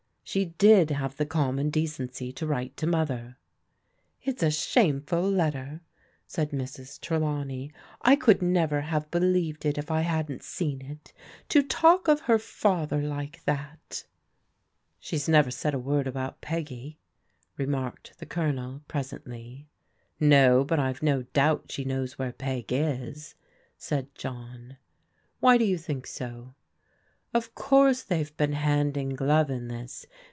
She did have the common decency to write to Mother." "It's a shameful letter," said Mrs. Trelawney. "I could never have believed it if I hadn't seen it. To talk of her father like that !"" She's never said a word about Peggy," remarked the Colonel presently. " No, but I've no doubt she knows where Peg is," said John. Why do yo^ think so? " Of course the/ve been hand in glove in this.